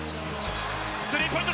スリーポイント